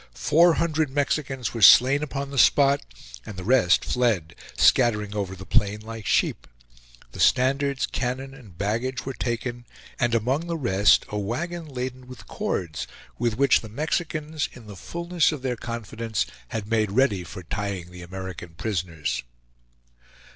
Four hundred Mexicans were slain upon the spot and the rest fled, scattering over the plain like sheep. The standards, cannon, and baggage were taken, and among the rest a wagon laden with cords, which the Mexicans, in the fullness of their confidence, had made ready for tying the American prisoners.